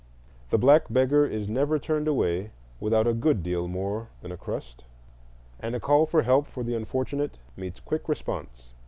The black beggar is never turned away without a good deal more than a crust, and a call for help for the unfortunate meets quick response.